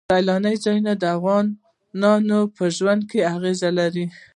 سیلاني ځایونه د افغانانو په ژوند اغېزې لري.